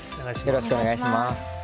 よろしくお願いします。